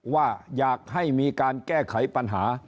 ว่าอยากให้มีการแก้ไขปัญหา